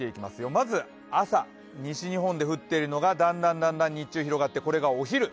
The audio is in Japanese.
まず朝、西日本で降っているのがだんだん日中広がってこれがお昼。